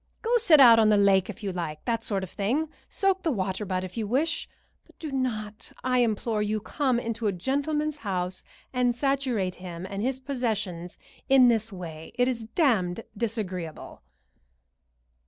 Go sit out on the lake, if you like that sort of thing; soak the water butt, if you wish; but do not, I implore you, come into a gentleman's house and saturate him and his possessions in this way. It is damned disagreeable."